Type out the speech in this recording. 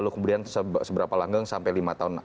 lalu kemudian seberapa langgang sampai lima tahun